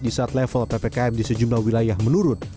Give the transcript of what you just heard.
di saat level ppkm di sejumlah wilayah menurun